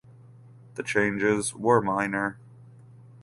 The changes were minor.